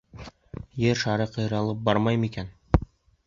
Ер шары ҡыйралып бармаймы икән?